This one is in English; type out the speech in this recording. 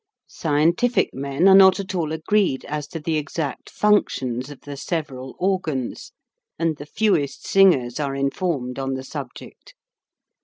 Scien tific men are not at all agreed as to the exact B 1 2 HOW TO SING functions of the several organs and the fewest singers are informed on the subject.